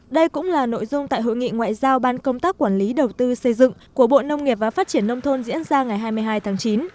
đây cũng là nội dung tại hội nghị ngoại giao ban công tác quản lý đầu tư xây dựng của bộ nông nghiệp và phát triển nông thôn diễn ra ngày hai mươi hai tháng chín